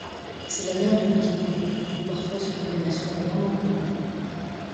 C'est la mère de Petit Gourou, d'où parfois son appellation de Maman Gourou.